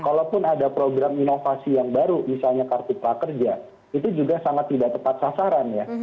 kalaupun ada program inovasi yang baru misalnya kartu prakerja itu juga sangat tidak tepat sasaran ya